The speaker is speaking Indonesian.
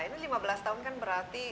ini lima belas tahun kan berarti